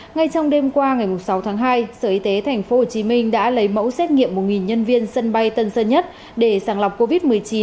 ngay trong đêm qua ngày sáu tháng hai sở y tế tp hcm đã lấy mẫu xét nghiệm một nhân viên sân bay tân sơn nhất để sàng lọc covid một mươi chín